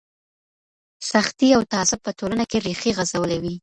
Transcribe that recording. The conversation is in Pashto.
سختي او تعصب په ټولنه کي ريښې غځولې وې.